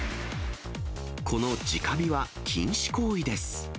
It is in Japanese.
この直火は禁止行為です。